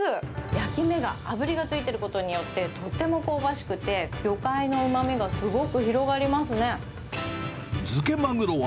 焼き目が、あぶりがついていることによって、とっても香ばしくて、魚介のうま漬けマグロは。